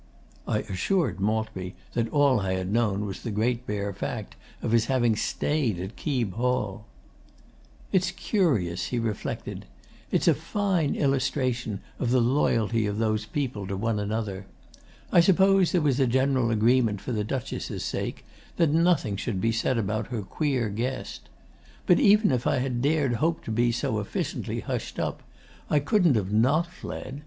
I assured Maltby that all I had known was the great bare fact of his having stayed at Keeb Hall. 'It's curious,' he reflected. 'It's a fine illustration of the loyalty of those people to one another. I suppose there was a general agreement for the Duchess' sake that nothing should be said about her queer guest. But even if I had dared hope to be so efficiently hushed up, I couldn't have not fled.